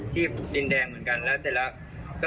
ที่ดินแดงเหมือนกันแล้วเกอร์